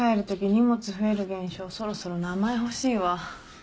荷物増える現象そろそろ名前欲しいわ。